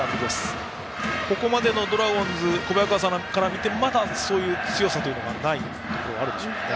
ここまでのドラゴンズ小早川さんから見てまだそういう強さがないところがあるでしょうか？